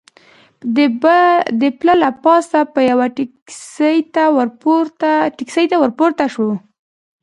د پله له پاسه به یوې ټکسي ته ور پورته شو.